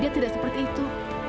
dia tidak seperti itu